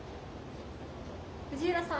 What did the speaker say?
藤浦さん